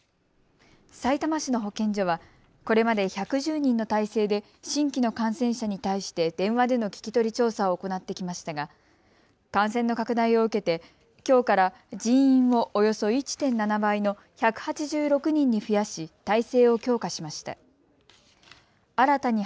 さいたま市の保健所はこれまで１１０人の体制で新規の感染者に対して電話での聞き取り調査を行ってきましたが感染の拡大を受けてきょうから人員をおよそ１．７倍の１８６人に増やし、体制を強化しました。